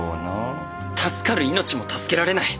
助かる命も助けられない。